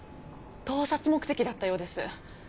盗撮目的だったようです。